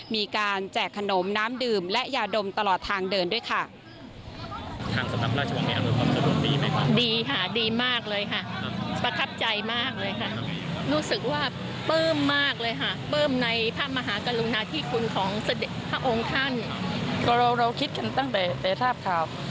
แจกขนมน้ำดื่มและยาดมตลอดทางเดินด้วยค่ะ